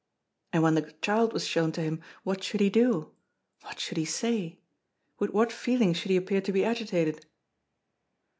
And when the child was shown to him, what should he do? What should he say? With what feeling should he appear to be agitated?